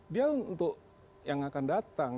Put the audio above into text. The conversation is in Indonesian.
dia untuk yang akan datang